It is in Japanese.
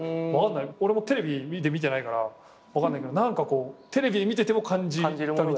俺もテレビで見てないから分かんないけどテレビで見てても感じたみたい。